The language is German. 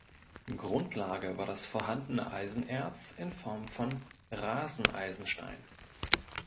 Grundlage war das vorhandene Eisenerz in Form von Raseneisenstein.